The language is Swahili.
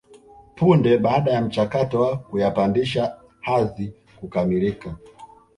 Punde baada ya mchakato wa kuyapandisha hadhi kukamilika